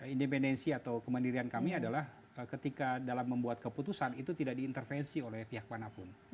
independensi atau kemandirian kami adalah ketika dalam membuat keputusan itu tidak diintervensi oleh pihak manapun